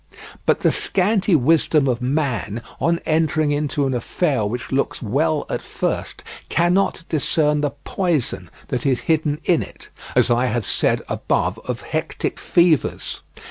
But the scanty wisdom of man, on entering into an affair which looks well at first, cannot discern the poison that is hidden in it, as I have said above of hectic fevers.